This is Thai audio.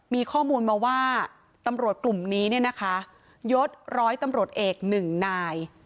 มีข้อมูลมาว่าตำรวจกลุ่มนี้นะคะยด๑๐๐ตำรวจเอก๑นาย